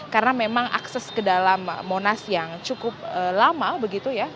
karena memang akses ke dalam monas yang cukup lama begitu ya